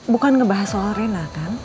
bukan ngebahas soal arena kan